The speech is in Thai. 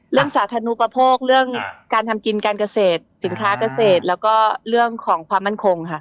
สาธารณูปโภคเรื่องการทำกินการเกษตรสินค้าเกษตรแล้วก็เรื่องของความมั่นคงค่ะ